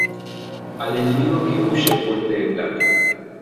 Al enemigo que huye, puente de plata.